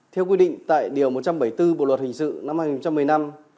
theo quy định tại điều một trăm bảy mươi bốn bộ luật hình sự năm hai nghìn một mươi năm